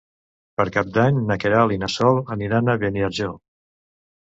Per Cap d'Any na Queralt i na Sol aniran a Beniarjó.